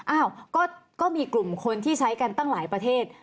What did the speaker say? อ้าวก็มีกลุ่มคนที่ใช้กันตั้งหลายประเทศ